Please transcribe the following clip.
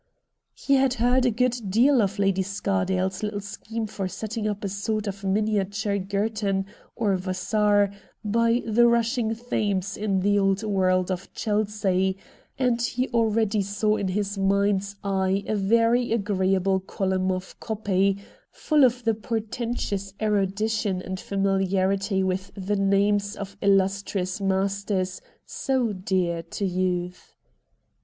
He had heard a good deal of Lady Scardale's little scheme for setting up a sort of miniature Girton or Yassar by the rushing Thames in the old world of Chelsea, and he already saw in his mind's eye a very agreeable column of copy, full of the portentous erudition 32 RED DIAMONDS and familiarity with the names of illustrious masters so dear to youth.